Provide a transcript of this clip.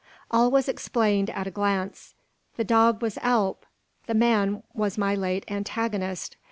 All was explained at a glance. The dog was Alp; the man was my late antagonist!